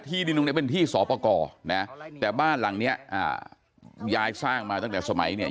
ที่นึงเนี่ยเป็นที่สอปกรนะฮะแต่บ้านหลังนี้ยายสร้างมาตั้งแต่สมัยเนี่ย